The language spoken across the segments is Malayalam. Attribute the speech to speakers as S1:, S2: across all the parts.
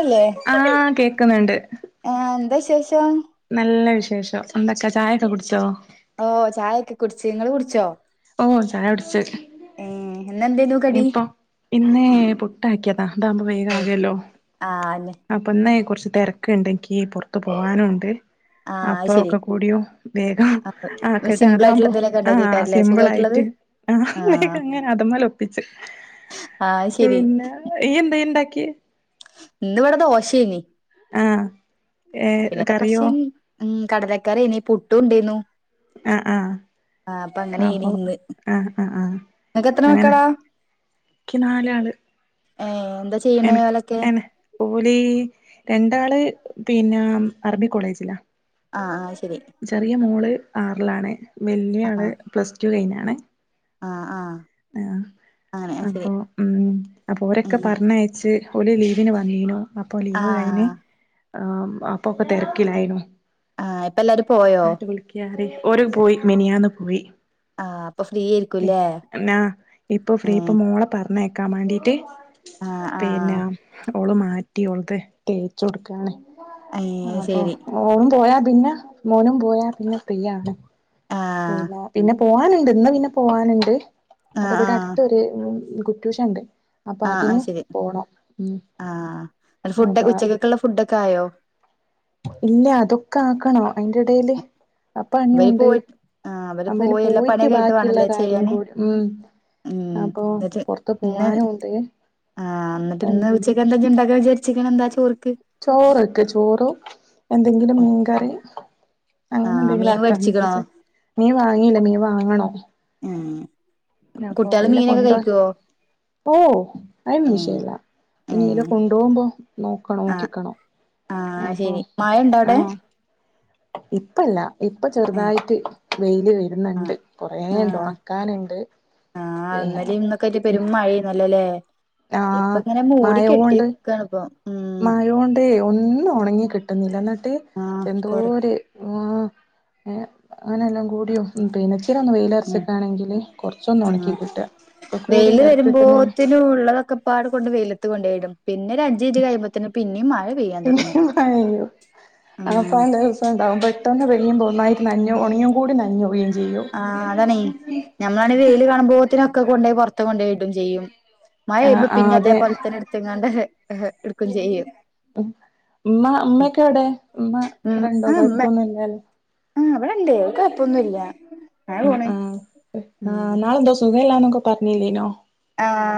S1: അല്ലേ
S2: ആഹ് കേക്കുന്നുണ്ട്
S1: ആ എന്താ വിശേഷം
S2: നല്ല വിശേഷം എന്തൊക്കാ ചായയൊക്കെ കുടിച്ചോ
S1: ഓ ചായ ഒക്കെ കുടിച്ച് നിങ്ങള് കുടിച്ചോ
S2: ഓ
S1: ഏ ഇന്നെന്തേനു കടി
S2: ഇപ്പൊ ഇന്നേ പുട്ടാക്കിയ അതാകുമ്പോ വേഗം
S1: ഏ
S2: ആകല്ലോ
S1: ആ അന്നെ
S2: പ്പൊ ഇന്നെ കുർച്ചു തെരക്ക് ണ്ടെങ്കി പൊർത്ത് പോകാനുണ്ട്
S1: ആ അത്
S2: അപ്പ
S1: ശരി
S2: ഒക്കെ കൂടിയും വേഗം അ ആക്കിയിട്ട്
S1: സിമ്പിൾ ആയിട്ടുള്ള
S2: അതാകുമ്പോ
S1: എന്തേലൊക്കെ
S2: ആ
S1: ഉണ്ടാക്കിക്കാരല്ലേ
S2: സിമ്പിൾ ആയിട്ട്
S1: സുഖായിട്ടുള്ളത്
S2: അത്
S1: ആ
S2: അങ്ങനെ ങ്ങനെ അതമേൽ
S1: ആ അത് ശരി
S2: ഒപ്പിച്ച്പിന്നെ ഇയ്യ് ന്തേ ന്തെ ഉണ്ടാക്കിയേ
S1: ഇന്നിവിടെ ദോശേനി
S2: ആഹ് ഏഹ്
S1: പിന്നെ ത
S2: കറിയോ
S1: കൊർച്ച് ഉ കടലക്കറി ഏനി പുട്ടും ഉണ്ടേനു
S2: ആ ആ
S1: അങ്ങനേനി
S2: അപ്പൊ
S1: ഇന്ന്
S2: ആ ആ
S1: നിങ്ങക്ക് എത്ര
S2: അങ്ങനെ
S1: മക്കളാ
S2: ഇക്കിനാലാള്
S1: ഏ എന്താ ചെയ്യണേ ഓലൊക്കെ?
S2: ഓല് രണ്ടാള് പിന്നെ ആർമി കോളേജിലാ ഒ
S1: ആ ആ ശരി
S2: ആറിലാണ് വല്യ
S1: ആ
S2: ആള് പ്ലസ് ടു കഴിഞ്ഞാണ്
S1: ആ ആ
S2: ആ
S1: അങ്ങനെ ശരി
S2: അപ്പൊ ഉം അപ്പൊരൊക്കെ
S1: ഉം
S2: പറഞ്ഞയച്ച് ഓല് ലീവിന് വന്നീനു അപ്പൊ
S1: ആ
S2: ലീവ് കഴിഞ്ഞ് അ അപ്പൊക്കെ തിരക്കിലായിനു
S1: ആ ഇപ്പല്ലാരും പോയോ
S2: ആട്ട് വിളിക്കാറി ഓര് പോയി മെനിയാന്ന് പോയി.
S1: ആഹ് അപ്പൊ ഫ്രീയായിരിക്ക്കുല്യേ..
S2: ആ ഇപ്പൊ ഫ്രീ ഇപ്പൊ മോളെ പറഞ്ഞയക്കാം മാൺണ്ടീട്ട്
S1: ആഹ് ആഹ്
S2: പിന്ന ഓള് മാറ്റി ഓള്ത് തേച്ചൊട്ക്കാണ്
S1: ഏഹ്
S2: അപ്പൊ
S1: ശരി
S2: ഓളും പോയാ പിന്ന മോനും പോയാ പിന്ന ഫ്രീയാണ്
S1: ആഹ്
S2: പിന്ന പിന്ന പോവാനുണ്ട് ഇന്ന് പിന്ന പോവാനുണ്ട്
S1: ആഹ്
S2: തവിടെ
S1: ആഹ്
S2: അട്ത്തൊരു കുറ്റൂഷണ്ട് അപ്പൊ
S1: ആഹ്
S2: അതിന
S1: ആഹ് ശരി
S2: പോണം ഉം
S1: ആഹ് അല്ല ഫുഡ്
S2: അപ്പൊ
S1: ഉച്ചക്കൊക്കുള്ള ഫുഡൊക്കെ ആയോ
S2: ഇല്ല തൊക്കെ ആക്കണം അയിന്റെ എടേല് അപ്പ [unintelligible]
S1: ഇവര്
S2: ഉണ്ട്
S1: പോയിട്ട് ആഹ് അവര്
S2: അമ്മല്
S1: പോയി എല്ലാ
S2: പോയിട്ട്
S1: പണിയൊക്കെ ആയിട്ട്
S2: ബാക്കിള്ള
S1: വേണല്ലേ
S2: കാര്യം
S1: ചെയ്യാന്
S2: കൂടി ഉം
S1: ഉം
S2: അപ്പൊ പൊറത്ത് പോവാനും ണ്ട്
S1: ആ ന്നിട്ട് ഇന്ന് ഉച്ചക്ക് എന്താ ഇജ് ണ്ടാക്കാൻ വിചരിച്ചികന്നത് എന്താ ചോറ്?
S2: ചോറ്ക്ക് ചോറോ എന്തെങ്കിലും മീൻകറി ങ്ങനെ
S1: ആഹ്
S2: ന്തെങ്കിലും
S1: മീൻ
S2: ആക്കാന്ന്
S1: വേടിച്ചിക്കണോ
S2: വിചാരിച്ച മീൻവാങ്ങീല്ല മീൻ വാങ്ങണോ
S1: ഉം
S2: അപ്പൊ
S1: കുട്ടികള്
S2: യിലേ
S1: മീനൊക്കെ
S2: കൊണ്ടോ
S1: കഴിക്കുവോ
S2: ഓ അത്
S1: ഏഹ്
S2: വിഷയല്ല പിന്നെ ഇടെ
S1: ഏഹ്
S2: കൊണ്ടോമ്പോ നോക്കണം
S1: ആഹ്
S2: നോക്കിക്കണം
S1: ആഹ്
S2: അപ്പൊ
S1: ശരി മഴ ഇണ്ടോ
S2: ആ
S1: അവിടെ
S2: ഇപ്പല്ല ഇപ്പൊ
S1: ഏഹ്
S2: ചെറുതായിറ്റ് വെയില് വരണ്
S1: ആഹ്
S2: ണ്ട് കുറേ ണ്ട്
S1: ആഹ്
S2: ഒണക്കാനുണ്ട്
S1: ആഹ് ന്നലിം ന്നൊക്കെ ആയിട്ട് പേരും മഴേന്നല്ലോ ല്ലേ.. ഇപ്പ
S2: ആഹ്
S1: ങ്ങനെ മൂടി കെട്ടിക്കണി പ്പം
S2: മയോണ്ടേ ഒന്നും ഒണങ്ങി കിട്ട്ണില്ല ന്നിട്ട്
S1: ആഹ്
S2: എന്തോ
S1: കൊറ
S2: രു ആ അങ്ങനെ അ എല്ലാം കൂടിയും പിന്നെ [unintelligible] വെയില
S1: ഉം
S2: അറച്ചക്കാണെങ്കില് കൊറച്ചൊന്ന് ഉണക്കി
S1: ആഹ്
S2: കിട്ട ഒക്കകൂടി [unintelligible] കിട്ടുഅ
S1: ക്കപ്പാട് കൊണ്ട് വെയിലത്ത് കൊണ്ടയിടും പിന്നെ ഒരഞ്ച് മിനിറ്റ് കഴിയുമ്പതിന്നും ന് പിന്നിം മയെയ്യാൻ തൊഡ്ങ്ങും
S2: [unintelligible] ഉണ്ടാവും പെട്ടെന്ന് പെയുമ്പോ ഒന്നായിട്ട് നനഞ്ഞ ഉണങ്ങിയകൂടി നനഞ്ഞു പോകും [unintelligible]
S1: ആ അതാണീ ഞമ്മമാണെങ്കിൽ വെയിയില് കാണുമ്പോത്തിനൊക്കെ കൊണ്ടോയി പുറത്ത് കൊണ്ടോയിടും ചെയ്യും മഴ
S2: ആഹ്
S1: പെയ്ഴുമ്പോ
S2: ആഹ്
S1: പിന്നെ
S2: അതെ
S1: അതേപോലെന്നെ എടുത്ത്ങ്ങാണ്ട് അഹ് അഹ് എടുക്കയും ചെയ്യും
S2: ഉം ഉമ്മ ഉമ്മോക്കെ ഔടെ ഉമ്മ ഉമ്മ വടെണ്ടോ കൊയപ്പൊന്നുല്ലല്ലോ
S1: ആ വിടെ ഉണ്ട് കൊയപ്പൊന്നു ല്ല
S2: ആഹ് ആഹ്
S1: ഉം
S2: ആഹ് ഇന്നാളെ എന്തോ സുഖ ഇല്ലാന്നൊക്കെ പറഞ്ഞില്ലേനോ
S1: ആഹാ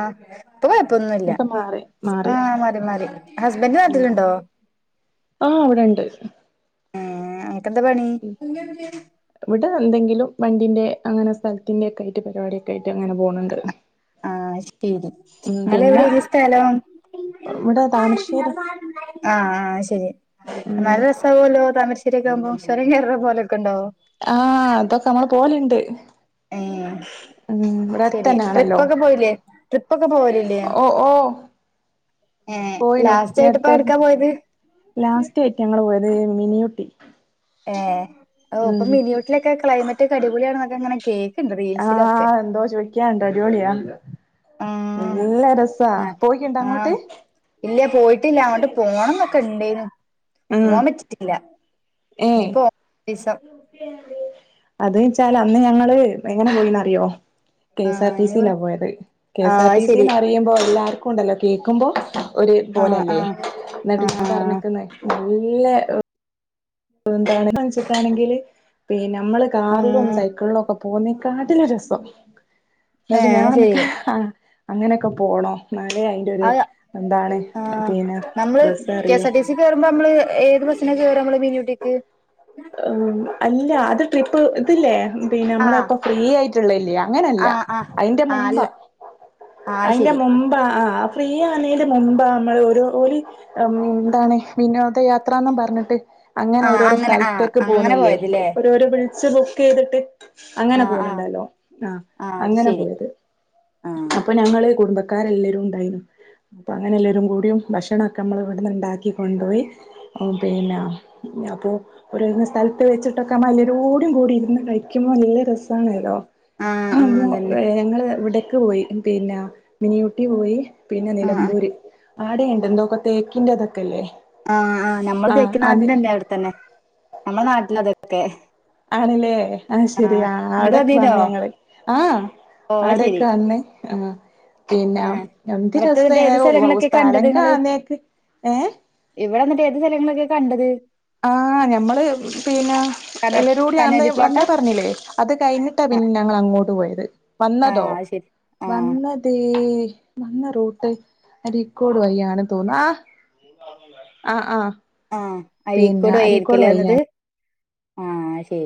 S1: ഇപ്പൊ കുഴപ്പൊന്നുല്ല
S2: ഒക്കെ മാറി
S1: ആഹ് മാറി മാറി. ഹസ്ബന്റ്
S2: ആഹ്
S1: നാട്ടിലുണ്ടോ? ഒ
S2: ആഹ് വടെണ്ട്
S1: ഏഹ്. അൻക്കന്ത പണി?
S2: ഇവിടെ എന്തെങ്കിലും വണ്ടിന്റെ അങ്ങനെ സ്ഥലത്തിന്റെ ഒക്കെ ആയിട്ട് പരിപാടിയൊക്കെ ആയിട്ട് അങ്ങനെ പോണ് ണ്ട്.
S1: ആഹ് ശരി. നിങ്ങൾ എവിടെനി സ്ഥലം?
S2: ഇവിടെ താമരശ്ശേരി
S1: ആഹ് ആഹ് ശരി.
S2: ഉം
S1: നല്ല രസാവല്ലോ താമര ശ്ശേരിയൊക്കാവുമ്പം ചൊരം കേറ്ണ പോലൊക്കൊണ്ടോ
S2: ആഹ് അതൊക്കെ നമ്മള് പോവല്ണ്ട്
S1: ഏഹ്
S2: ഉം ഇവടെ
S1: ശരി
S2: അട്ത്തന്നാണല്ലോ
S1: ട്രിപ്പൊക്കെ പോയില്ലേ ട്രിപ്പൊക്കെ പോവലില്ലേ
S2: ഓ ഓ
S1: ഏഹ്
S2: പോയിനു
S1: ലാസ്റ്റ് ആയിട്ട് ഇപ്പ
S2: അടുത്ത
S1: എവിട്ക്കാ പോയത്
S2: ലാസ്റ്റ് ആയിട്ട് ഞങ്ങള് പോയത്. ഉം മിനിയൂട്ടി
S1: ഏഹ് ഓഹ് ഇപ്പൊ
S2: ഉം
S1: മിനിയൂട്ടിലൊക്കെ ക്ലൈമറ്റ് ഒക്കെ അടിപൊളിയാണെന്നൊക്കെ ഇങ്ങനെ കേക്ക്ണ്ട് റീൽസിലൊക്കെ
S2: ആഹ് എന്തോ ചോയിക്കാണ്ട്. അടിപൊളിയ
S1: ആഹ്
S2: എല്ല രസാ
S1: ആഹ്
S2: പോയിട്ടുണ്ടാ അങ്ങോട്ട്.
S1: ആഹ് ഇല്ല പോയിട്ടില്ല അങ്ങോട്ട് പോണം ഇന്നൊക്കെ ഇണ്ടേന്നു പോവാൻ പറ്റിട്ടില്ല
S2: ഉം
S1: ഇനിയിപ്പോ ദിവസം
S2: അത് വച്ചാല് അന്ന് ഞങ്ങള് എങ്ങനെ പോയിന്നറിറ്യാെ കെ എസ് ആർ
S1: ആഹ്
S2: ട്ടി
S1: ഇനി പോയി
S2: സിലാ പോയത് കെ എസ്
S1: ആഹ്
S2: ആർ
S1: അത്
S2: ടി സി
S1: ശരി
S2: ന്നറിയുമ്പോ എല്ലാർക്കും ഇണ്ടല്ലൊ കേക്കുമ്പോ ഒരു
S1: ആഹ്
S2: പോലെല്ലേ
S1: ആഹ്
S2: ഇന്നട്ട് ഞാൻ
S1: ആഹ്
S2: പറഞ്ഞെക്കുന്ന് നല്ല ന്താണ്‌ മൻസ്ക്കാണെങ്കില് പിന്നെ നമ്മള് കാറിലും
S1: ആഹ്
S2: സൈക്കിളിലും ഒക്കെ പോ പോന്നേ കാട്ടിലും രസം ഇന്നട്ട്
S1: ഏഹ്
S2: ഞാൻ
S1: അത്
S2: പറ്ഞ്ഞ്
S1: ശരി
S2: ക്ക അങ്ങനൊക്കെ പോണോ. എന്നാലേ അയിന്റെ ഒരു
S1: അത്
S2: എന്താണ്
S1: ആ
S2: പിന്നെ
S1: നമ്മള്
S2: രസം
S1: കെ
S2: അറിയൂ
S1: എസ് ആർ ടീസി ക കേയറുമ്പോ നമ്മള് ഏത് ബസ് എന്നാ കേറനമ്മള് മിനി ഉട്ടീക്ക്.
S2: അല്ല അത് ട്രിപ്പ് ഇതില്ലേ പിന്നെ നമ്മളെ
S1: ആഹ്
S2: ഇപ്പ ഫ്രീ ആയിറ്റ്ള്ളെല്ലേ അങ്ങനല്ല.
S1: ആഹ് ആഹ്
S2: അയിന്റെ
S1: ആഹ് അല്ല
S2: മുമ്പാ
S1: ആഹ് അത്
S2: അയിന്റെ
S1: ശരി
S2: മുമ്പ് ആഹ് ആഹ് ഫ്രീ ആന്നേ ന്തെ മുമ്പ് നമ്മള് ഒരു ഒരു എന്താണ് വിനോദയാത്രാന്നും പറഞ്ഞിട്ട് അങ്ങനെ
S1: ആഹ്
S2: ഓരോ സ്ഥലത്ത്.
S1: ആഹ്
S2: ത്തേക്ക്
S1: അങ്ങനെ
S2: പോന്നില്ലേ
S1: പോയതില്ലേ
S2: ഒരൊരോ വിൾച്ച് ബുക്കെയ്തിട്ട് അങ്ങനെ
S1: ആഹ്
S2: പോന്ന്ണ്ട
S1: ആഹ്
S2: ലോ ആഹ്.
S1: അത്
S2: അങ്ങനെ
S1: ശരി
S2: പോയത്.
S1: ആഹ്
S2: അപ്പൊ ഞങ്ങള് കുടുംബക്കാര എല്ലരും ഉണ്ടായ്ന്നു അപ്പൊ അങ്ങനെ എല്ലരും കൂടിയും ഭക്ഷണൊക്കെ നമ്മൾ ഇവിട്ന്ന് ഇണ്ടാക്കി കൊണ്ടോയി പിന്നെ അപ്പോ ഓരോ [unintelligible] സ്ഥലത്ത് വെച്ചിട്ടൊക്കെമ്മ എല്ലരൂടും കൂടി ഇരുന്ന് കഴിക്കുമ്പോ നല്ല രസാണേലൊ. ആഹ് ഞങ്ങള് ഇവിടെക്ക് പോയി. പിന്ന മിനിയൂട്ടി പോയി. പിന്നെ
S1: ആഹ്
S2: നിലമ്പൂര് ആടേണ്ട് എന്തൊക്കോ തേക്കിന്റെ ഇതൊക്കെല്ലേ
S1: ആഹ് ആഹ് നമ്മള് തേക്കിൻ നാടിന്റെ ന്നെ അട്ത്തന്നെ നമ്മളെ നാട്ടിലാ അതെക്കെ
S2: ആണ് ലേ അഹ് ശരി ആ
S1: ഇങ്ങട്ട്
S2: അവടെക്കെ
S1: വന്നീനോ
S2: വന്നു ഞങ്ങള് ആഹ്
S1: ഓ അത് ശെരി
S2: ആടെക്കെ വന്ന് ആഹ് പിന്നെ
S1: ആഹ്
S2: എന്ത്
S1: ഇവിടുത്തെ
S2: രസ
S1: എന്നിട്ട് ഏത്
S2: [unintelligible]
S1: സ്ഥലങ്ങളൊക്കെ
S2: സ്ഥലം
S1: കണ്ടത്
S2: കാണേക്ക് ഏഹ്
S1: ഇവടെന്നിട്ട് ഏത് സ്ഥലങ്ങളൊക്കെ കണ്ടത്
S2: ആഹ് ഞമ്മള് പിന്നെ
S1: കന
S2: എല്ലരു കൂടിയാന്ന്
S1: കനോലി
S2: വന്ന്
S1: പ്ലോട്ടാ
S2: പറഞ്ഞിലേ അത് കയ്ഞ്ഞിട്ടാ പി
S1: ആഹ്
S2: ന്നെ ഞങ്ങൾ അങ്ങോട്ട് പോയത് വന്നതോ
S1: ആഹ് അത് ശെരി ആഹ്
S2: വന്നത് വന്ന റൂട്ട് അരിക്കോട് വഴിയാണ് തോന്നു. ആഹ് ആഹ്
S1: ആഹ് അരീക്കോട് വയേര്ക്കും ലേ വന്നത് ആഹ് അത് ശരി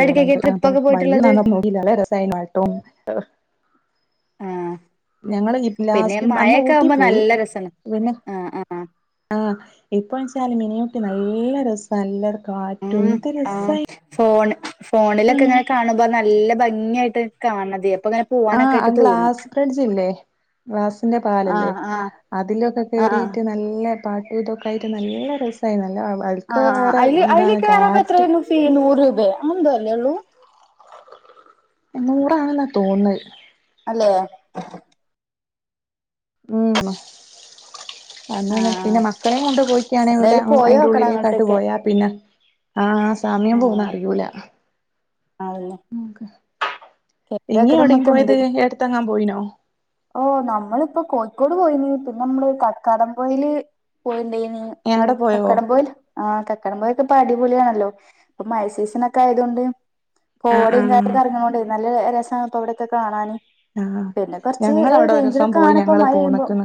S2: തോന്ന്ണ്ട് അപ്പൊ വയൊന്നും നോക്കില്ല നല്ല രസായ്നു പാട്ടും
S1: ആഹ്
S2: ഞങ്ങള് ഇ
S1: പിന്നെ
S2: ലാസ്റ്റ് അന്ന്
S1: മഴയൊക്കെ
S2: ഊട്ടി
S1: ആവുമ്പോ
S2: പോയി
S1: നല്ല രസാണ്
S2: പിന്നെ
S1: ആഹ് ആഹ്
S2: ആഹ് ഇപ്പോ വെച്ചാല് മിനി ഊട്ടി നല്ല രസാ നല്ലർ കാറ്റും എന്ത് രസായി
S1: ഫോണിലൊക്കെങ്ങനെ കാണുമ്പോ നല്ല ഭംഗി ആായിട്ട കാണതെ
S2: ആ അ ഗ്ലാസ് ബ്രിഡ്ജില്ലേ ഗ്ലാസിൻറെ പാലല്ലേ
S1: ആഹ് ആഹ്
S2: അതിലൊക്കെ
S1: ആഹ്
S2: കേറീട്ട് നല്ല പാട്ടുതൊക്കായിട്ട് നല്ല രസമായിന്നു
S1: ആ അയ്ല് അയ്ല് കേറാപ്പോ എത്ര
S2: കാറ്റ്
S1: വരും ഫീ നൂറ് രൂപ് ന്താല്ലേള്ളൂ
S2: നൂറാണെന്ന തോന്നത്
S1: അല്ലേ
S2: മ്.... അന്നന്നെ
S1: ആഹ്
S2: പിന്നെ മക്കളേം കൊണ്ട് പോയ്ക്കാണെങ്കി ഓല്
S1: എന്തായാലും
S2: അയിൻ്റെ
S1: പോയോക്കണം
S2: ഉള്ളിലേക്കാട്ട്
S1: അങ്ങോട്ടൊക്കെ
S2: പോയാ പിന്നെ ആ സമയം പോുന്നറിയൂല
S1: ആഉ... ല്ല
S2: ഇങ്ങി യൗടിം പോയത്
S1: ഇണ്ട്
S2: എട്ത്തെങ്ങാ പോയിനോ
S1: ഓ നമ്മള്പ്പൊ കോഴിക്കോട് പോയിനീ പിന്നെമ്മള് കക്കാടംപൊയില് പോയിണ്ടേ ഏ ഓ,
S2: അവിടെ പോയോ
S1: കക്കാടംപൊയിൽ ആ കക്കാടംപൊയിൽ ദ്‌പ്പൊ അടിപൊളിയാണല്ലോ ഇപ്പൊ മഴ്‌സയ്സിനൊക്കെയായതോണ്ട്
S2: ആഹ്
S1: കോടിം
S2: ആഹ്
S1: കാര്യൊക്കെറ്ങ്ങ്ണതോണ്ടെയ് നല്ല.... ദ് രസാണ് പ്പവിടൊക്കെ കാണാാന്
S2: ആ ഞങ്ങളവ്ടെ ഒരോസം പോയി
S1: ആണ് ഇപ്പൊ
S2: ഞങ്ങള്ൾ
S1: മഴ പെയ്യുമ്പോ
S2: പോന്ന്ക്ക്ണ്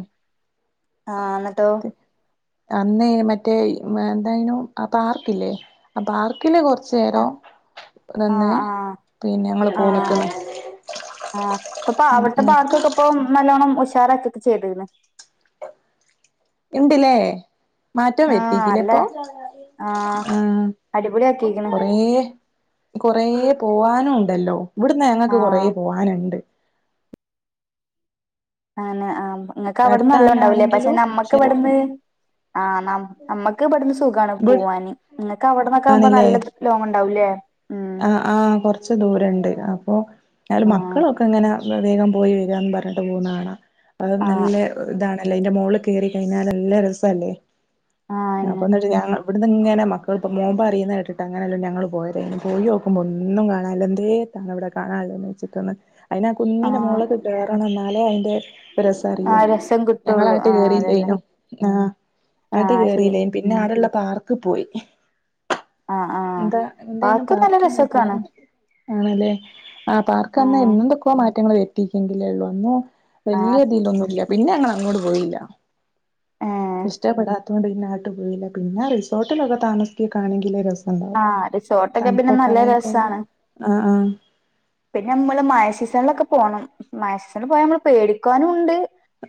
S1: ആഹ് എന്നിട്ടോ
S2: ദെ അന്നേയ് മറ്റേ എന്തായ്നു ആ പാർക്കില്ലേ ആ പാർക്കില് കൊറ്ച് ചേരോ
S1: ആഹ്
S2: നന്ന്
S1: ആഹ് ആഹ്
S2: പിന്നെ ങ്ങള് പോന്ന്ക്ണ്
S1: പൊ പാവട്ട പാർക്കൊക്കെപ്പം നല്ലോണം ഉഷാറാക്യൊക്കെ ചെയ്ത്ണ്
S2: ണ്ടീലേ മാറ്റം
S1: ആഹ്
S2: വര്തീക്കിലേ
S1: അല്ലേ
S2: പ്പം
S1: ആഹ്
S2: ആ
S1: അടിപൊളിയാക്കിക്കണ്
S2: കൊറേ കൊറേ പോവാൻ നുണ്ടല്ലോ വ്ട്ന്ന് ഞങ്ങക്ക് കൊറേ
S1: ആഹ്
S2: പോവാനുണ്ട്
S1: അനെആ ങ്ങക്ക് അവടന്ന് നല്ലോണ്ടാവൂല്ലേ പക്ഷെ
S2: അടുത്താനാണെങ്കിലും
S1: നമ്മക്ക്
S2: പക്ഷെ
S1: വട്ന്ന് ആ നം നമ്മക്ക് വട്ന്ന് സുഖാണ് പോവാാന് ങ്ങക്ക് അവ്ട്ന്നക്കാകുമ്പോ
S2: ആണില്ലേ
S1: നല്ലത് കിലോ മിൺ അവ്‌ ല്ലേ
S2: ആഹ് ആഹ് കൊറച്ച് ദൂരണ്ട്
S1: ആഹ്
S2: പ്രതീഗം പോയി വരാന്ന് പറഞ്ഞ്ട്ട് പോകുന്ന ആളാ അത്
S1: ആഹ്
S2: നല്ല താണല്ലേ അയ്ന്റെ മോള് ല് കേറി കഴിഞ്ഞാൽ നല്ല രസല്ലേ
S1: ആഹ്
S2: വാന്ന് ഇങ്ങനെ മക്കൾിപ്പോ മോൻമ്പ് അറിയുന്നത കേട്ടിട്ട് അങ്ങനെല്ല ഞങ്ങള്ൾ പോയര പോയോക്കുമ്പൊ ഒന്നു കാണാല്ല എന്തേതാണവിടെ കാണാന്ള്ള തെവെച്ചിട്ട അയ്നാ കുന്നിൻറെ
S1: ആഹ്
S2: മോളിലേക്ക് കേറണം ന്നാലേ അയ്ൻ്റെ ന്ത് രസാറിയോ
S1: ആഹ് രസം കിട്ടുള്ളൂ
S2: ഞങ്ങളാങ്ങ്ട്ട്
S1: ആഹ് അതന്നെ
S2: കേറില്ലേനൂ ആ ആട്ട്
S1: ആഹ് ശരി
S2: കേറില്ലേനു പിന്നെ ആടള്ള പാർക്ക് പോയി
S1: ആഹ് ആഹ്
S2: ങ്കാ, ന്തേനു
S1: പാർക്ക് നല്ല
S2: പാർക്കിന്റെ
S1: രസൊക്കാണ്
S2: അകത്തോയില് ആണ് ല്ലേ ആ
S1: ആഹ്
S2: പാർക്കന്ന്ന്തൊക്കൊ മാറ്റങ്ങൾ വരുത്തീട്ടെങ്കിലേള്ളു അന്ന്
S1: ആഹ്
S2: വല്യതീലൊന്നുല്ല പിന്നെ ഞങ്ങള ങ്ങോട്ട് പോയില്ല.
S1: ഏഹ്
S2: ഇഷ്ടപ്പെടാ ആട്ട് പോയില്ല പിന്നെ റിസോർട്ടിലൊക്കെ താമസിക്ക്യൊക്കെണെങ്കില് രസാ
S1: ആ റിസോർട്ടൊക്കെ പിന്നെ നല്ല രസാണ്
S2: ആ ആ
S1: പിന്നെ മ്മള് മഴ സീസണ്ലൊക്കെ പോണം മഴ സീസൺല് പോയാൽ മ്മള് പേടിക്കാനൂണ്ട്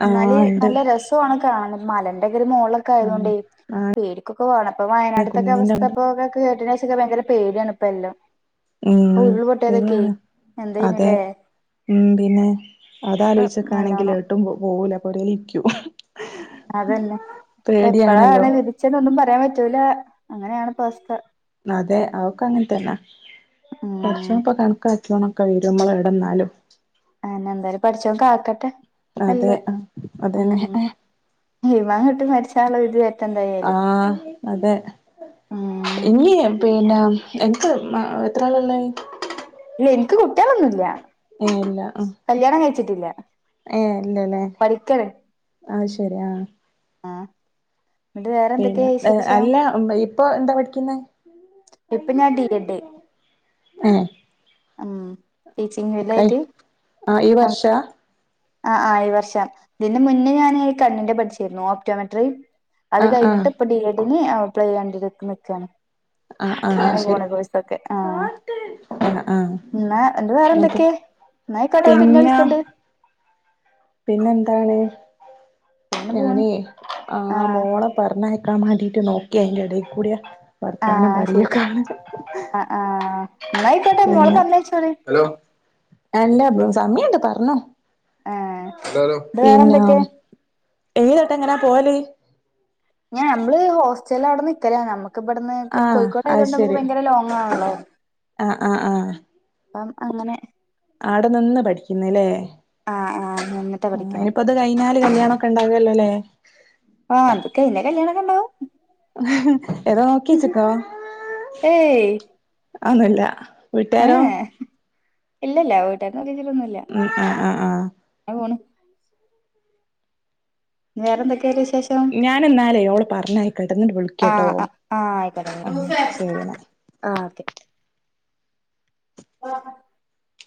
S2: ആ
S1: ന്നാല്
S2: ഉണ്ട്
S1: നല്ല രസാണു കാണാന് മലന്റെ ഓല് മോളൊക്കെ
S2: ഉം
S1: ആയതോണ്ടെയ് പേടിക്കൊക്കെ വേണം പ്പൊ വയനാട്ത്തൊക്കെ
S2: കുന്നിന്റെ ഉണ്ട്
S1: അവസ്ഥപ്പൊ കേട്ടേൻ്റെ ശേഷൊക്കെ ഭയങ്കരം പേട്യാണ് ഇപ്പെ എല്ലം അ
S2: ഉം
S1: ഉരുൾപൊട്ട്യതൊക്കെയ്
S2: ശരിയാണ് അതെ ന്തിന് അതാലോയ്ച്ചക്കാണെങ്കിൽ
S1: നല്ലോണം
S2: ഏട്ടും പോവൂല ഒരൈക്യു
S1: അതല്ല ഇപ്പൊപ്പഴാണ് വിധിച്ചതെന്നൊന്നും പറയാൻ പറ്റൂല അങ്ങനെയാണ്പ്പ അവസ്ഥ
S2: അതെ അഒക്കെ അങ്ങൻ തന്നെ
S1: ഉം
S2: പടച്ചോൻ പ്പൊ കണ്ക്കാക് [unintelligible] കയ്യൂല മ്മളവ്ടെ ന്നാലും
S1: അന്നെ ന്താലും പടച്ചോൻ കാക്കട്ടെ അല്ല.
S2: അതെ
S1: ഉ
S2: അതന്നെ
S1: ഈമാൻ കിട്ടി മരിചാല്ല വിധി. വരട്ടെ എന്തായാലും
S2: ആഹ അതെ
S1: ഉം
S2: ഇഞ്ഞി പിന്ന എക്ക് എത്ര ആള ഇള്ളഹ്
S1: ഇല്ല എനിക്ക് കുട്ടിയള്ന്നുമില്ല.
S2: ഏഹ് ഇല്ല
S1: കല്യാണംകഴിച്ചിട്ടില്ല പഠിക്കണ്
S2: അഹ ശരി ആ
S1: എന്നിട്ട് വേറെ എന്തൊക്കെയാ
S2: പിന്നെർ
S1: വിശേഷം
S2: അല്ല ഇപ്പൊ എന്താ പഠിക്കുന്നത്
S1: ഇപ്പൊ ഞാൻ ഡി എഡ്
S2: ആഹ
S1: ഉം ടീച്ചിങ് വല്ലായിട്ട്
S2: ആ ഈ വർഷ
S1: ആ ആ വർഷം ഇതിന് മുന്നേ ഞാൻ കണ്ണിന്റെ പഠിച്ചിരുന്നു ഓപ്റ്റോമെട്രി അത്
S2: ആഹ് ആഹ്
S1: കഴിഞ്ഞിട്ട് ഇപ്പം ബി. എ. ഡ്ന് എപ്ളൈ ചായ്യാമാണ്ടി നിക്കാണ്.
S2: ആഹ് ആഹ്
S1: അങ്ങനെ
S2: ശരി
S1: പോണ് കോയിസൊക്കെ. ആഹ
S2: ആഹ് ആഹ്
S1: എന്നാ എന്റെ വേറെ എന്തൊക്കെയ എന്നാ ഐകൊട്ടെ പിന്നെ വിളിക്കണ്ട്.
S2: പിന്നെന്താണ്.
S1: പിന്നെങ്ങനെ പോണ്
S2: ഞാന് ആ
S1: ആഹ്
S2: മോളെ പറഞ്ഞയ നക്കാൻ വേണ്ടിട്ട് നോക്കിയ ഐന്റെ എ ടൽ കൂടെയ വർത്താനം
S1: ആഹ് ശരി
S2: പറയൊക്കാണ്.
S1: ആഹ് ആഹ് എന്നായിക്കോട്ടെ
S2: പി
S1: മോളെ പറഞ്ഞയച്ചോളി
S2: അല്ല സമയണ്ട് പറഞ്ഞോ.
S1: ആഹ്
S2: ഹലോ.
S1: എന്നിട്ട്
S2: അലോ.
S1: വേറെ
S2: പിന്നെ.
S1: എന്തൊക്കെ
S2: ഇലഏട്ട എങ്ങനാ പോകല്.
S1: ഞ്ഞേ ഞമ്മള് ഹോസ്റ്റൽല് ആയോണ്ട് നിക്കലാ നമ്മക്ക് ഇബട്ന്ന്
S2: ആഹ്
S1: കോയ്ക്കോട്
S2: അത്
S1: ആയതോണ്ട് നമുക്ക്
S2: ശരി
S1: ഭയങ്കര ലോങ്ങ് ആണല്ലോ
S2: ആഹ് ആഹ് ആഹ്
S1: അപ്പം അങ്ങനെ
S2: ആടെ നിന്ന് പഠിക്കുന്ന് ലേ
S1: ആഹ് ആഹ് നിന്നിട്ടാ
S2: ആ
S1: പഠിക്കണെ
S2: അയ്‌നപ്പത് കയ്ഞ്ഞാല് കല്യാണൊക്കെ ഇണ്ടാവല്ലൊല്ലോ ലേ
S1: ആഹ് ഇത് കയ്ഞ്ഞാ കല്യാണക്കെ ഇണ്ടാവും.
S2: ഏതോ നോക്കിയേച്ച്ക്കോ
S1: ഏയ്
S2: അതൊന്നുല്ല വീട്ടാരോ
S1: ഏഹ് ഇല്ലല്ല വീട്ടാര് നോക്ക്യേച്ചിട്ടൊന്നുംല്ല
S2: ആഹ് ആഹ് ആഹ്
S1: പോണ് വേറെന്തൊക്കെ വിശ് ശേഷം
S2: ഞാനെന്നാലേ ഓള് പറഞ്ഞയക്കട്ടെ എന്നിട്ട് വിളിക്കട്ടോ
S1: ആഹ് ആഹ് ആയിക്കോട്ടെ
S2: ആഹ്
S1: യ്ക്കോട്ടേ
S2: ശരി എന്നാ
S1: ആഹ് ഓക്കെ ആഹ്